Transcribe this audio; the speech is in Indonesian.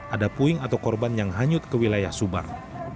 ada puing atau korban yang hanyut ke wilayah subang